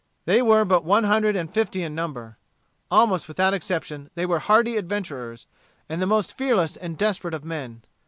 They were but one hundred and fifty in number. Almost without exception they were hardy adventurers, and the most fearless and desperate of men.